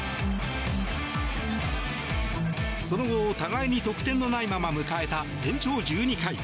その後、互いに得点のないまま迎えた延長１２回。